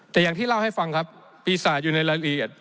แต่อย่างที่เล่าให้ฟังครับปีศาจอยู่ในรายละเอียด